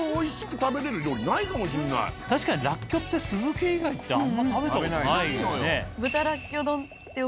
確かにらっきょうって酢漬け以外ってあんま食べたことないね。